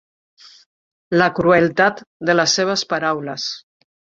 La crueltat de les seves paraules.